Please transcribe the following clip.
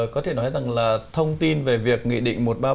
có thể nói rằng là thông tin về việc nghị định một trăm ba mươi bảy